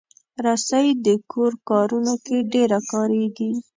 رسۍ د کور کارونو کې ډېره کارېږي.